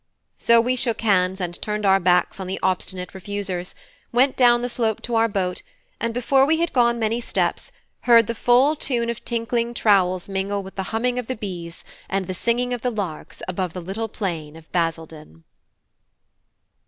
So we shook hands and turned our backs on the Obstinate Refusers, went down the slope to our boat, and before we had gone many steps heard the full tune of tinkling trowels mingle with the humming of the bees and the singing of the larks above the little plain of Basildon.